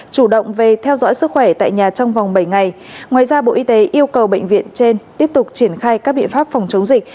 chủ động về theo dõi sức khỏe tại nhà trong vòng bảy ngày ngoài ra bộ y tế yêu cầu bệnh viện trên tiếp tục triển khai các biện pháp phòng chống dịch